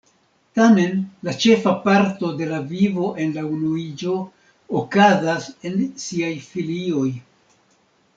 Tamen, la ĉefa parto de la vivo en la unuiĝo okazas en siaj filioj.